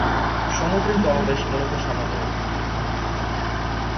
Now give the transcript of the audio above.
সমুদ্রের তলদেশ মূলত সমতল।